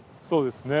そうです。